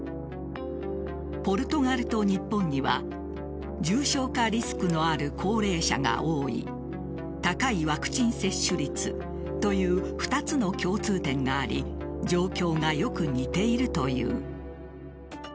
ポルトガルと日本には重症化リスクのある高齢者が多い高いワクチン接種率という２つの共通点があり状況がよく似ているという。